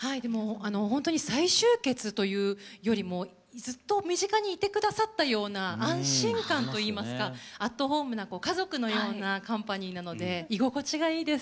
ほんとに再集結というよりもずっと身近にいて下さったような安心感といいますかアットホームな家族のようなカンパニーなので居心地がいいです